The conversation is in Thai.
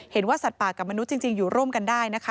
สัตว์ป่ากับมนุษย์จริงอยู่ร่วมกันได้นะคะ